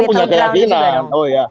oh kita punya keyakinan